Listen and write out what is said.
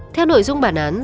theo nội dung bản án